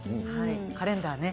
カレンダーね。